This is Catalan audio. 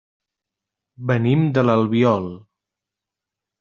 Venim de l'Albiol.